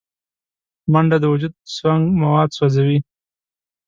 منډه د وجود سونګ مواد سوځوي